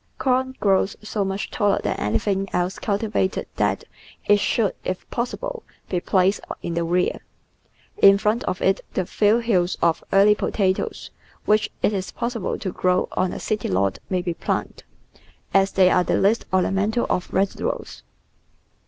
Corn grows so much taller than anything else cultivated that it should, if possible, be placed in the rear. In front of it the few hills of early potatoes which it is possible to grow on a city lot may be planted, as they are the least ornamental of vegetables.